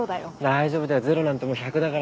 大丈夫だよゼロなんてもう１００だから。